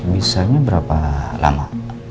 bisanya berapa lama